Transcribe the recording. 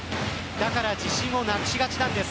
だから自信をなくしがちなんです。